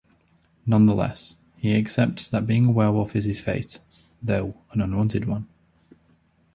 Nonetheless, he accepts that being a werewolf is his fate, though an unwanted one.